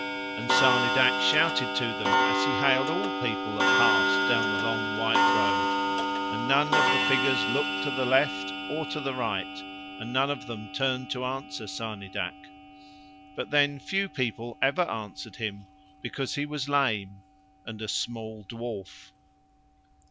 And Sarnidac shouted to them, as he hailed all people that passed down the long white road, and none of the figures looked to left or right and none of them turned to answer Sarnidac. But then few people ever answered him because he was lame, and a small dwarf.